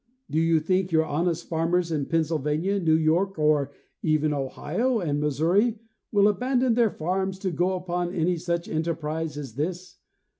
Do you think your honest. farmers in Pennsylvania, New York, or even in Ohio and Missouri, will abandon their farms to go upon any such enterprise as this?